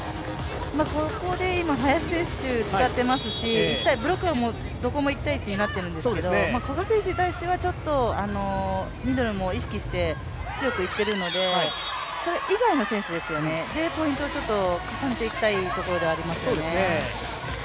ここで今、林選手を使っていますしブロックはどこも１対１になっているんですけど古賀選手に対してはミドルも意識して強く打っているのでそれ以外の選手でポイントを重ねていきたいところではありますよね。